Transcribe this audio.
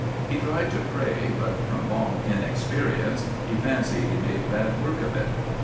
He tried to pray, but from long inexperience he fancied he made bad work of it.